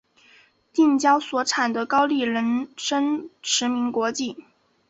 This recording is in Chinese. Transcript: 近郊所产的高丽人参驰名国际。